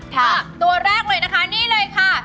ตัวแรกเลยนะคะนี่เลยค่ะ